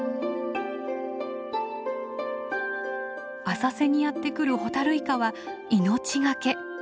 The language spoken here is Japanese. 浅瀬にやって来るホタルイカは命懸け。